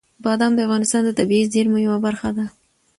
بادام د افغانستان د طبیعي زیرمو یوه برخه ده.